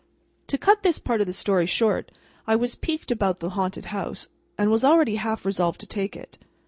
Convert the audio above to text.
To cut this part of the story short, I was piqued about the haunted house, and was already half resolved to take it.